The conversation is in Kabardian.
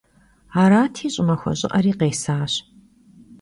Arati ş'ımaxue ş'ı'eri khesaş.